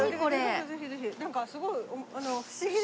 なんかすごい不思議で。